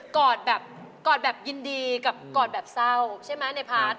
อดแบบกอดแบบยินดีกับกอดแบบเศร้าใช่ไหมในพาร์ท